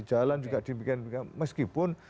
jalan juga dibikin meskipun